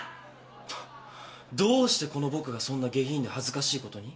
どうしてこの僕がそんな下品で恥ずかしいことに？